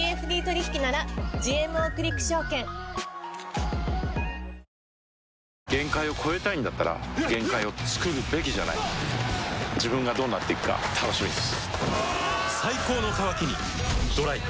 このあとまさかの展開に限界を越えたいんだったら限界をつくるべきじゃない自分がどうなっていくか楽しみです